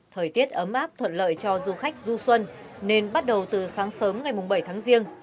thời tiết ấm áp thuận lợi cho du khách du xuân nên bắt đầu từ sáng sớm ngày bảy tháng riêng